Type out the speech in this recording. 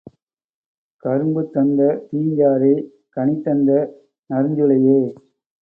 கரும்புதந்த தீஞ்சாறே, கனிதந்த நறுஞ்சுளையே